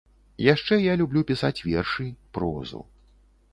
Яшчэ я люблю пісаць вершы, прозу.